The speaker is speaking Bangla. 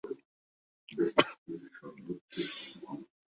বজলু মাথা চুলকে বলল, রাতে কী খাবেন স্যার?